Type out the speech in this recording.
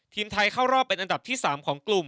ทีมไทยเข้ารอบเป็นอันดับที่๓ของกลุ่ม